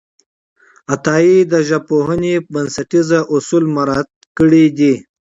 عطایي د ژبپوهنې بنسټیز اصول مراعت کړي دي.